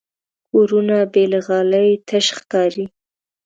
کورونه بې له غالۍ تش ښکاري.